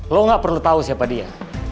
lo gak perlu tahu siapa dia